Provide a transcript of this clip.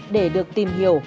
để được tìm hiểu